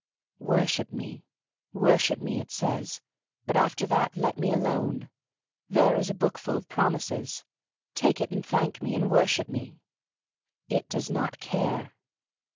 Worship me, worship me, it says, but after that let me alone. There is a bookful of promises. Take it and thank me and worship me. It does not care.